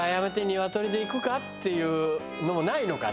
っていうのもないのかね？